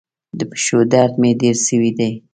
د پښو درد مي ډیر سوی دی.